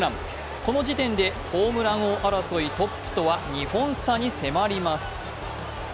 この時点でホームラン王争いトップとは２本差に迫ります。